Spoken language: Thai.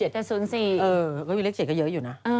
แต่๐๔เออก็มีเลข๗ก็เยอะอยู่นะ